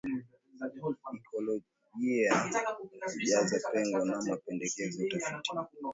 Ikolojia Kujaza Pengo na Mapendekezo ya Utafiti Defra